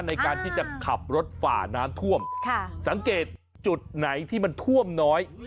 ในการที่จะขับรถฝ่าน้ำท่วมสังเกตจุดไหนที่มันท่วมน้อย